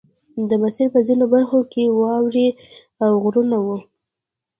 د مسیر په ځینو برخو کې واورې او غرونه وو